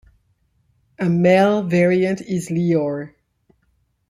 A male variant is Leor.